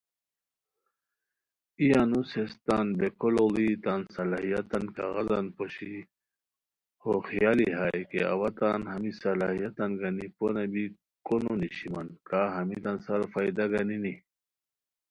ای انوس ہیس تان بیکھو لُوڑی تان صلاحیتان کاغذان پوشی ہو خیالی ہائے کی اوا تان ہمی صلاحیتان گنی پونہ بی کونو نیشیمان کا ہمیتان سار فائدہ گنینی